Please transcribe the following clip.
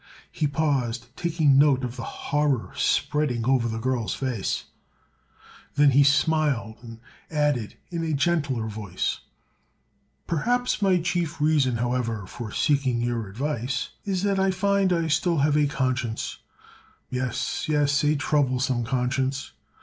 He paused, taking note of the horror spreading over the girl's face. Then he smiled and added in a gentler voice: "Perhaps my chief reason, however, for seeking your advice is that I find I have still a conscience. Yes, yes; a troublesome conscience.